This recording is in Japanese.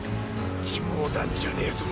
冗談じゃねえぞ。